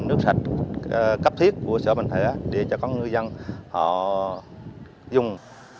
nước sạch cấp thiết của sở bệnh thể để cho con người dân họ dùng